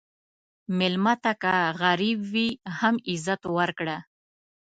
مېلمه ته که غریب وي، هم عزت ورکړه.